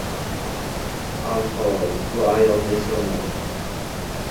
Alhol, bu ayolni eslolmadi